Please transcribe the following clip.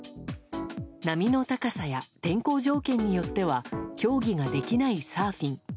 波の高さや天候条件によっては競技ができないサーフィン。